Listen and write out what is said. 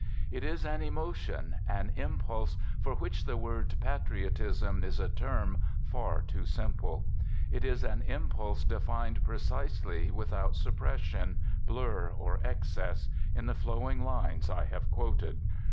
It is an emotion, an impulse, for which the word " patriotism " is a term far too simple. It is an im pulse defined precisely, without suppression, blur, or excess, in the flowing lines I have quoted.